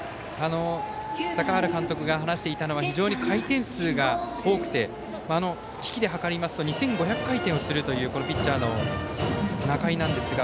坂原監督が話していたのは非常に回転数が多くて機器で測りますと２５００回転をするというピッチャーの仲井なんですが。